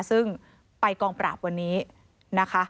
ซึ่งไปกองปราบวันนี้นะคะ